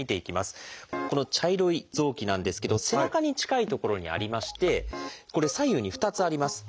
この茶色い臓器なんですけど背中に近い所にありましてこれ左右に２つあります。